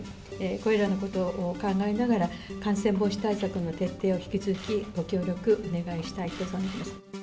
これらのことを考えながら、感染防止対策の徹底を引き続きご協力お願いしたいと存じます。